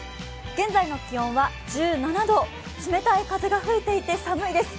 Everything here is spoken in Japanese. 現在の気温は１７度、冷たい風が吹いていて寒いです。